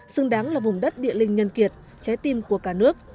xứng đáng là vùng đất địa linh nhân kiệt trái tim của cả nước